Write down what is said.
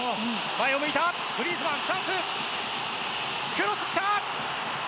クロスきた！